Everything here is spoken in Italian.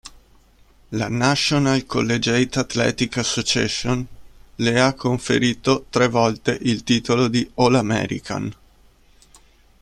La National Collegiate Athletic Association le ha conferito tre volte il titolo di "All-American".